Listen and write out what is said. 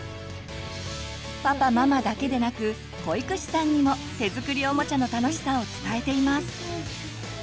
パパママだけでなく保育士さんにも手作りおもちゃの楽しさを伝えています。